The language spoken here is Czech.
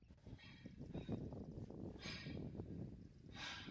Oproti původní hře obsahuje řadu vylepšení.